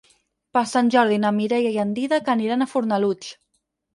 Per Sant Jordi na Mireia i en Dídac aniran a Fornalutx.